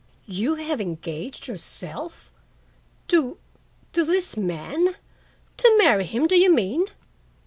"You have engaged yourself to—to this man—to marry him, do you mean?"